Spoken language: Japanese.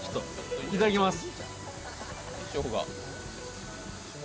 いただきます。